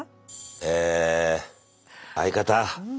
え相方。